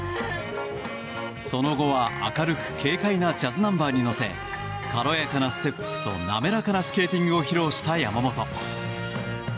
その後は明るく軽快なジャズナンバーに乗せ軽快なステップと、滑らかなスケーティングを披露した山本。